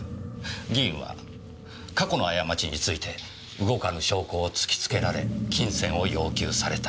議員は過去の過ちについて動かぬ証拠を突きつけられ金銭を要求された。